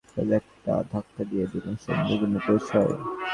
তারা যে অবস্থায় আছে, তাতে তাদের একটা ধাক্কা দিয়ে দিলেই সত্ত্বগুণে পৌঁছয়।